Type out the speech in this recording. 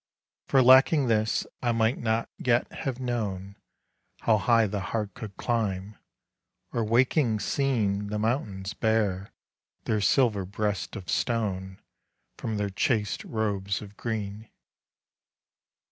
For lacking this I might not yet have known How high the heart could climb, or waking seen The mountains bare their silver breasts of stone From their chaste robes of green.